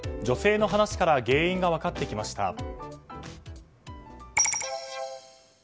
女性の話から原因が分かってきました。